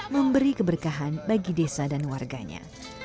memberi keberkahan bagi desa dan warganya